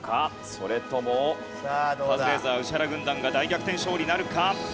それともカズレーザー＆宇治原軍団が大逆転勝利なるか？